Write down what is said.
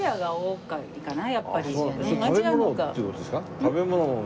食べ物が。